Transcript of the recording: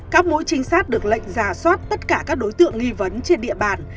các mũi trinh sát được lệnh giả soát tất cả các đối tượng nghi vấn trên địa bàn